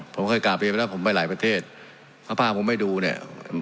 ผมเคยกลับเรียนไปแล้วผมไปหลายประเทศถ้าพาผมไปดูเนี่ย